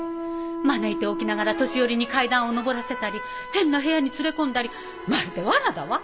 招いておきながら年寄りに階段を上らせたり変な部屋に連れ込んだりまるで罠だわ。